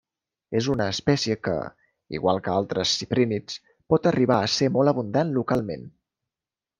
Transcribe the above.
És una espècie que, igual que altres ciprínids, pot arribar a ser molt abundant localment.